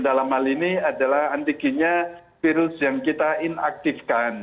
dalam hal ini adalah antigennya virus yang kita inaktifkan